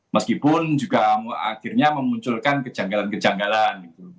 peggy pun juga akhirnya memunculkan kejanggalan kejanggalan